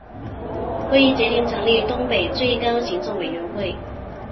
会议决定成立东北最高行政委员会。